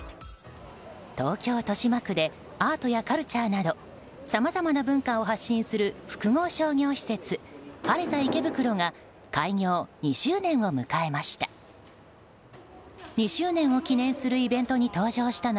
東京・豊島区でアートやカルチャーなどさまざまな文化を発信する複合商業施設Ｈａｒｅｚａ池袋が開業２周年を迎えました。